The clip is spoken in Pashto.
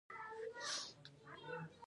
افغانستان په بادي انرژي باندې تکیه لري.